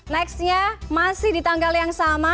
nextnya masih di tanggal yang sama